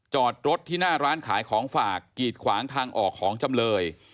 จอดรถที่หน้าร้านขายของฝากกีดขวางทางออกของจำเลย